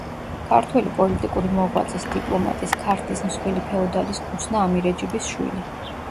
ქართველი პოლიტიკური მოღვაწის, დიპლომატის, ქართლის მსხვილი ფეოდალის ქუცნა ამირეჯიბის შვილი.